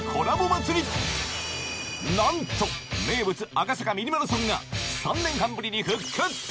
赤坂ミニマラソンが３年半ぶりに復活